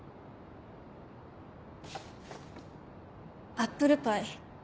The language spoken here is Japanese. アップルパイ。